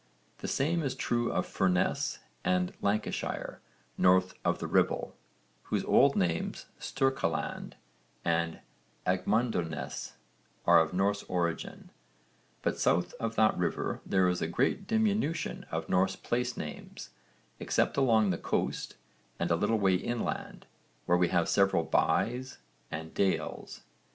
The same is true of Furness and Lancashire, north of the Ribble, whose old names Stercaland and Agmundernesse are of Norse origin, but south of that river there is a great diminution of Norse place names except along the coast and a little way inland, where we have several bys and dales.